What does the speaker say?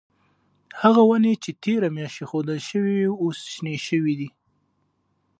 هغه ونې چې تیره میاشت ایښودل شوې وې اوس شنې شوې.